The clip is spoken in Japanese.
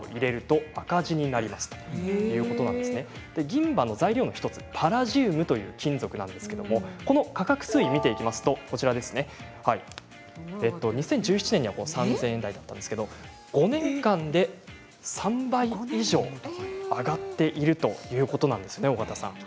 銀歯の材料の１つパラジウムという金属なんですけれども価格推移を見ていきますと２０１７年には３０００円台だったんですが５年間で３倍以上に上がっているということなんです。